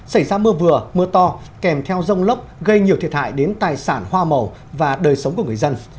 xảy ra mưa vừa mưa to kèm theo rông lốc gây nhiều thiệt hại đến tài sản hoa màu và đời sống của người dân